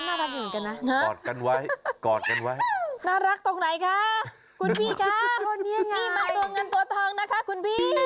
นี่มันตัวเงินตัวทองนะคะคุณพี่